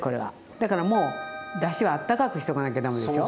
だからもうだしはあったかくしとかなきゃダメですよ。